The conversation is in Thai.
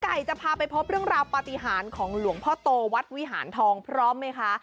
จะพาไปพบเรื่องราวปฏิหารของหลวงพ่อโตวัดวิหารทองพร้อมไหมคะ